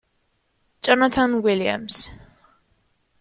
Johnathan Williams